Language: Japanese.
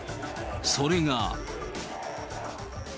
それが。